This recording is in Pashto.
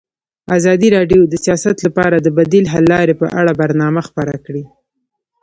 ازادي راډیو د سیاست لپاره د بدیل حل لارې په اړه برنامه خپاره کړې.